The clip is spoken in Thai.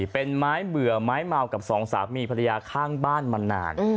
เป็นไม้เบื่อไม้เมากับสองสามีภรรยาข้างบ้านมานาน